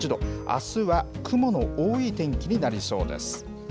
あすは雲の多い天気になりそうです。